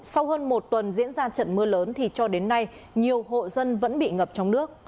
sau hơn một tuần diễn ra trận mưa lớn thì cho đến nay nhiều hộ dân vẫn bị ngập trong nước